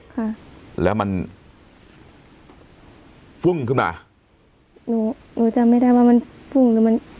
ค่ะแล้วมันพุ่งขึ้นมาหนูหนูจำไม่ได้ว่ามันพุ่งหรือมัน